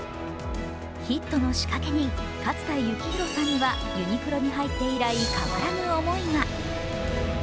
ヒットの仕掛け人・勝田幸宏さんにはユニクロに入って以来、変わらぬ思いが。